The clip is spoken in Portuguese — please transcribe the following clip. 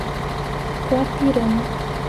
Guapirama